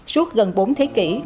suốt gần bốn thế kỷ